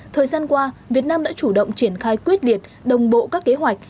thời gian qua việt nam đã chủ động triển khai quyết liệt đồng bộ các kế hoạch